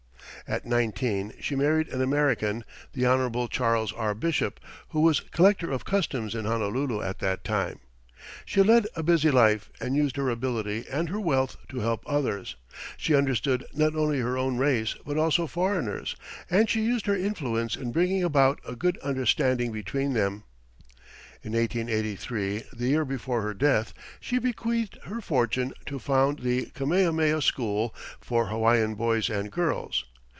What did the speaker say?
At nineteen she married an American, Hon. Charles R. Bishop, who was collector of customs in Honolulu at that time. She led a busy life, and used her ability and her wealth to help others. She understood not only her own race but also foreigners, and she used her influence in bringing about a good understanding between them. In 1883, the year before her death, she bequeathed her fortune to found the Kamehameha School for Hawaiian boys and girls.